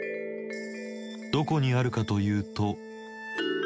どこにあるかというと。